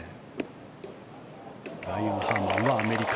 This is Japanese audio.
ブライアン・ハーマンはアメリカ。